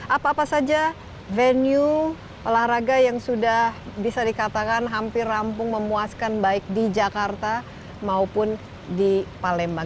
apa apa saja venue olahraga yang sudah bisa dikatakan hampir rampung memuaskan baik di jakarta maupun di palembang